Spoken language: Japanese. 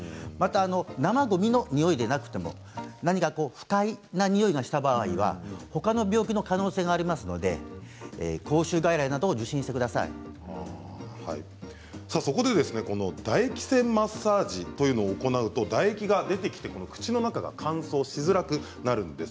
生ごみのにおいではなくて何か不快なにおいがした場合はほかの病気の可能性がありますのでそこで唾液腺マッサージというのを行うと唾液が出てきて、口の中が乾燥しづらくなるんです。